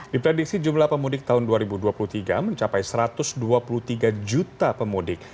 diprediksi jumlah pemudik tahun dua ribu dua puluh tiga mencapai satu ratus dua puluh tiga juta pemudik